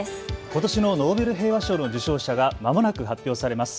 ことしのノーベル平和賞の受賞者がまもなく発表されます。